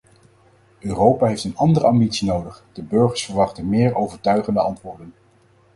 Europa heeft een andere ambitie nodig; de burgers verwachten meer overtuigende antwoorden.